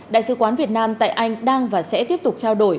đại sứ quán việt nam tại anh đang và sẽ tiếp tục trao đổi